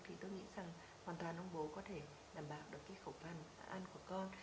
thì tôi nghĩ rằng hoàn toàn ông bố có thể đảm bảo được cái khổng lồ ăn của con